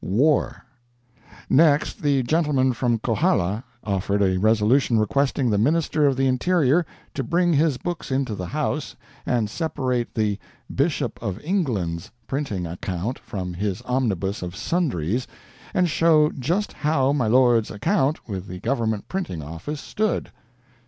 WAR Next "the gentleman from Kohala" offered a resolution requesting the Minister of the Interior to bring his books into the House and separate the "Bishop of England's" printing account from his omnibus of "sundries," and show just how my Lord's account with the Government printing office stood.